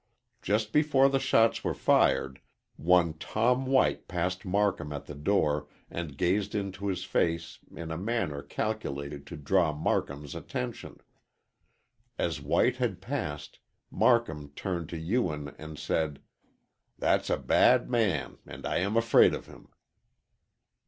Just before the shots were fired, one Tom White passed Marcum at the door and gazed into his face in a manner calculated to draw Marcum's attention. As White had passed, Marcum turned to Ewen and said: "That's a bad man and I am afraid of him."